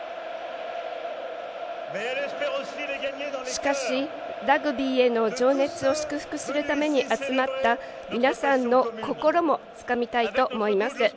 しかし、ラグビーへの情熱を祝福するために集まった皆さんの心もつかみたいと思います。